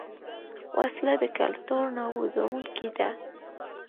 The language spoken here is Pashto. وسله د کلتور نابودوونکې ده